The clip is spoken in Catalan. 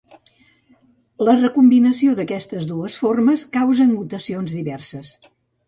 La recombinació d’aquestes dues formes causen mutacions diverses.